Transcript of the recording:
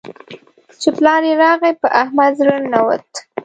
چې پلار يې راغی؛ په احمد زړه ننوت.